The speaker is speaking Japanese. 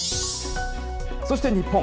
そして、日本。